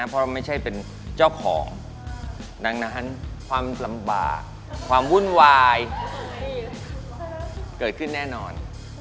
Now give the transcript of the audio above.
เพราะไม่ใช่เป็นเจ้าของดังนั้นความลำบากความวุ่นวายเกิดขึ้นแน่นอน